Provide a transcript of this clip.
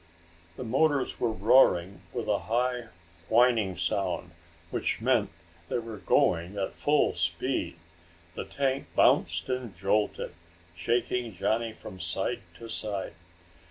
The motors were roaring with a high whining sound which meant they were going at full speed. The tank bounced and jolted, shaking Johnny from side to side.